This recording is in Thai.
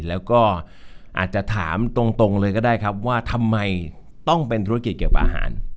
แล้วก็อาจจะถามตรงเลยก็ได้ครับว่าทำไมต้องเป็นธุรกิจเกี่ยวอาหาร